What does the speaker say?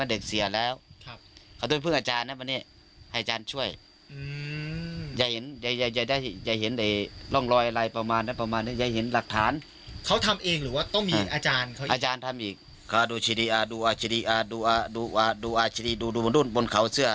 ดูบนนู้นบนเขาเสื้อ